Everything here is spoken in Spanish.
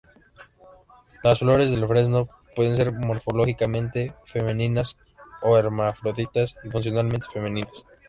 Las flores del fresno pueden ser morfológicamente femeninas o hermafroditas y funcionalmente femeninas.